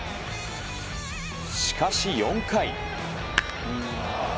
しかし４回。